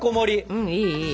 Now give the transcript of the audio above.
うんいいいい！